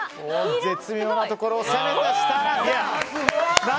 絶妙なところを攻めた設楽さん。